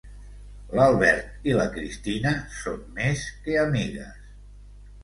L'Albert i la Cristina són més que amigues.